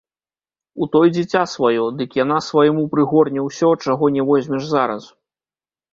У той дзіця сваё, дык яна свайму прыгорне ўсё, чаго не возьмеш зараз!